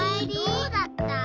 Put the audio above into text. どうだった？